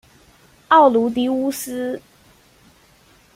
奥卢狄乌斯。